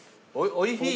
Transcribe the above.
「おいひい」。